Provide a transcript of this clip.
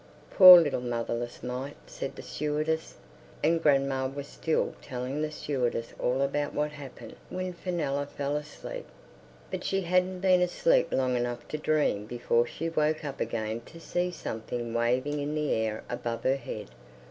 "Poor little motherless mite!" said the stewardess. And grandma was still telling the stewardess all about what happened when Fenella fell asleep. But she hadn't been asleep long enough to dream before she woke up again to see something waving in the air above her head.